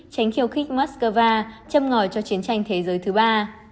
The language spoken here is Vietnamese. tránh khiêu khích moscow châm ngòi cho chiến tranh thế giới thứ ba